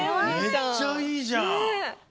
めっちゃいいじゃん。ね！